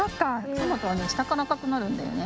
トマトはねしたからあかくなるんだよね。